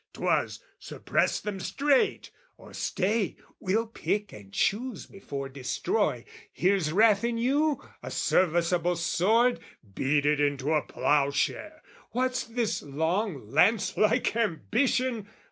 'Twas "Suppress them straight! "Or stay, we'll pick and choose before destroy: "Here's wrath in you, a serviceable sword, "Beat it into a ploughshare! What's this long "Lance like ambition?